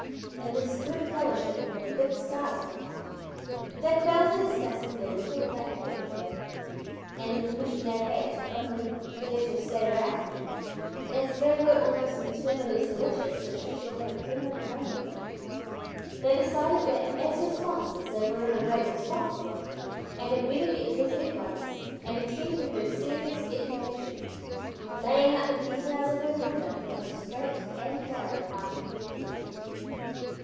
In this good fellowship under the big stars one night, they fell to discussing their little black protégée, and the permission they had to only "let her stay round." As they were almost maternally solicitous that she should have a permanent home with them, they decided that as her sponsors they were in a way responsible and had better get busy at once and attend to her serious education, laying out the details of her conduct on a straight and narrow path of duty.